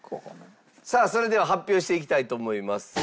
さあそれでは発表していきたいと思います。